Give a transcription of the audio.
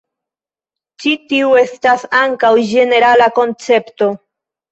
Ĉi tiu estas ankaŭ ĝenerala koncepto.